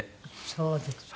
そうですか。